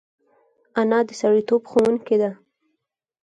انا د سړیتوب ښوونکې ده